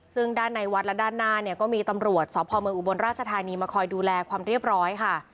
ซึ่งด้านในวัดและด้านหน้าเนี่ยก็มีตำรวจสพเมืองอุบลราชธานีมาคอยดูแลความเรียบร้อยค่ะ